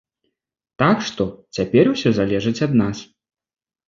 Так што цяпер усё залежыць ад нас.